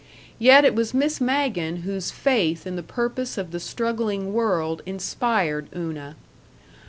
Yet it was Miss Magen whose faith in the purpose of the struggling world inspired Una.